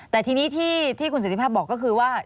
แต่ทีนี้ที่คุณสิทธิภาพบอกก็คือว่า